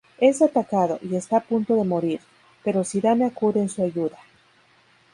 Es atacado, y está a punto de morir, pero Zidane acude en su ayuda.